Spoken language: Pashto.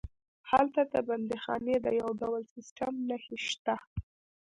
هلته د بندیخانې د یو ډول سیسټم نښې شته.